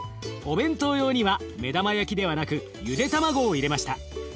お弁当用には目玉焼きではなくゆで卵を入れました。